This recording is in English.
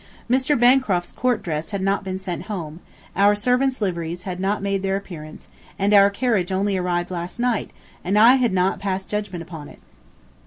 Mr. Bancroft's court dress had not been sent home, our servants' liveries had not made their appearance, and our carriage only arrived last night, and I had not passed judgment upon it.